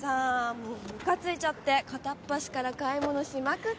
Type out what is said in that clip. もうムカついちゃって片っ端から買い物しまくったわよ。